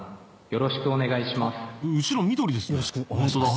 よろしくお願いします。